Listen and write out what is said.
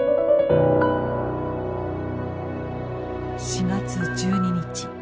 ４月１２日。